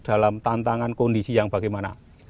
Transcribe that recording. dalam tantangan kondisi yang bagaimana